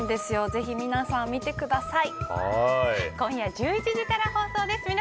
ぜひ皆さん見てください。